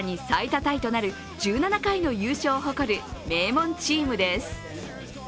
タイとなる１７回の優勝を誇る名門チームです。